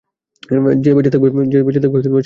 যে বেঁচে থাকবে, সে জিতে যাবে।